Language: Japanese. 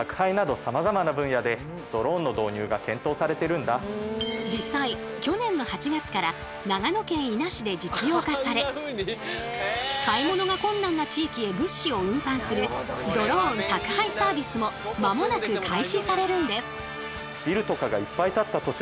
今後実際去年の８月から長野県伊那市で実用化され買い物が困難な地域へ物資を運搬するドローン宅配サービスも間もなく開始されるんです。